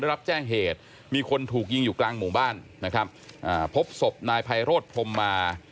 รับแจ้งเหตุมีคนถูกยิงอยู่กลางหมู่บ้านนะครับอ่าพบศพนายไพโรธพรมมา